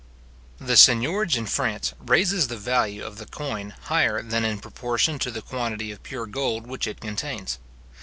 The seignorage in France raises the value of the coin higher than in proportion to the quantity of pure gold which it contains.